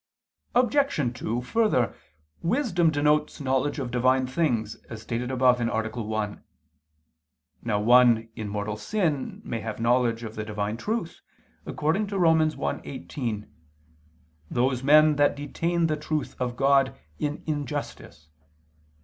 Obj. 2: Further, wisdom denotes knowledge of Divine things, as stated above (A. 1). Now one in mortal sin may have knowledge of the Divine truth, according to Rom. 1:18: "(Those men that) detain the truth of God in injustice."